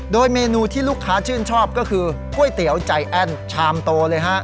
โดยเมนูที่ลูกค้าชื่นชอบก็คือก๋วยเตี๋ยวใจแอ้นชามโตเลยฮะ